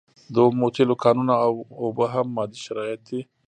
د اومو تیلو کانونه او اوبه هم مادي شرایط دي.